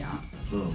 うん。